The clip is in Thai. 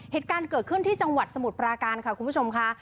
เหตุการณ์เกิดขึ้นที่จังหวัดสมุทรปราการค่ะคุณผู้ชมค่ะ